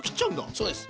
そうです。